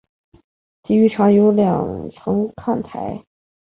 体育场有两层看台。